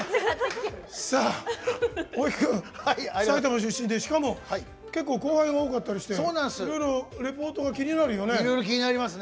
大木君、埼玉出身でしかも後輩が多かったりしていろいろ気になりますね